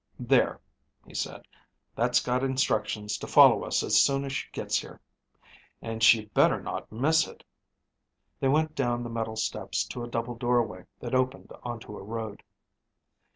"There," he said. "That's got instructions to follow us as soon as she gets here. And she better not miss it." They went down the metal steps to a double doorway that opened onto a road.